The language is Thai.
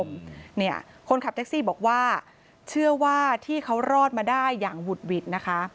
เนี่ยคนขับแท็กซี่บอกว่าเชื่อว่าที่เขารอดมาได้อย่างหุดหวิดนะคะ